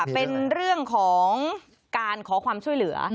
เป็นเรื่องของการขอความช่วยเหลือ